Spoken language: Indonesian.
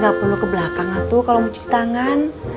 gak perlu ke belakang atuh kalau mau cuci tangan